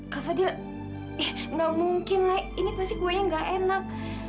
kak fadil nggak mungkin ini pasti kuenya nggak enak